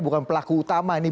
bukan pelaku utama ini